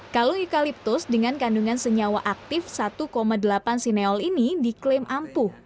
kalu eukaliptus dengan kandungan senyawa aktif satu delapan sineol ini diklaim ampuh